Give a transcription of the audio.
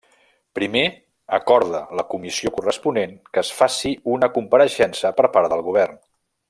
Primer, acorda la Comissió corresponent que es faça una compareixença per part del govern.